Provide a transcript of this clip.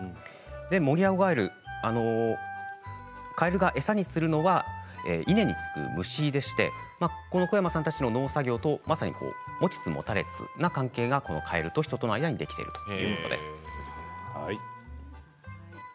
モリアオガエルカエルが餌にするのは稲につく虫でして小山さんたちの農作業持ちつ持たれつな関係がカエルとの間にできているということです。